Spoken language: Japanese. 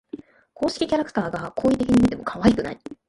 公式キャラクターが好意的に見てもかわいくない